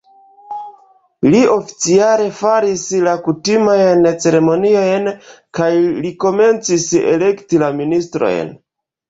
Li oficiale faris la kutimajn ceremoniojn kaj li komencis elekti la ministrojn.